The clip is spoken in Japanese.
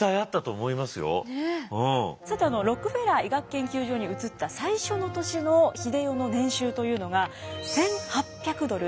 さてロックフェラー医学研究所に移った最初の年の英世の年収というのが１，８００ドル。